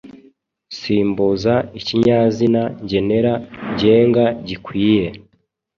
Simbuza ikinyazina ngenera ngenga gikwiye